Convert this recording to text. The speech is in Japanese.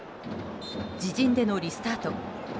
自陣でのリスタート。